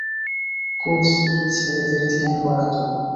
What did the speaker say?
Coach ইক ছেলেদের ধ্যান করাতো।